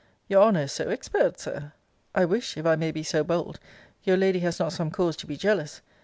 Your Honour is so expert, Sir! I wish, if I may be so bold, your lady has not some cause to be jealous.